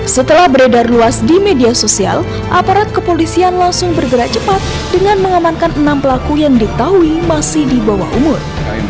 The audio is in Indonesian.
setelah beredar luas di media sosial aparat kepolisian langsung bergerak cepat dengan mengamankan enam pelaku yang diketahui masih di bawah umur